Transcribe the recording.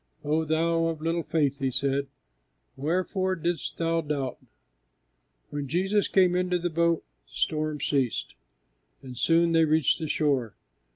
"O thou of little faith," He said, "wherefore didst thou doubt?" When Jesus came into the boat the storm ceased, and soon they reached the shore.